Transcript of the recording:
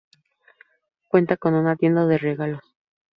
Cuenta con una tienda de regalos.